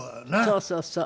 そうそうそう。